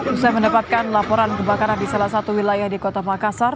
usai mendapatkan laporan kebakaran di salah satu wilayah di kota makassar